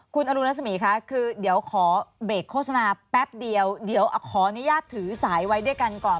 คุณอรุณรสมีคะคือเดี๋ยวขอเบรกโฆษณาแป๊บเดียวเดี๋ยวขออนุญาตถือสายไว้ด้วยกันก่อน